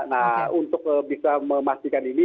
nah untuk bisa memastikan ini